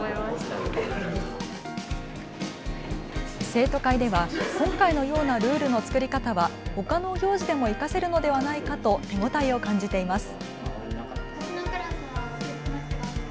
生徒会では今回のようなルールの作り方は、ほかの行事でも生かせるのではないかと手応えを感じています。